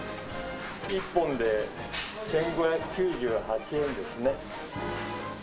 １本で１５９８円ですね。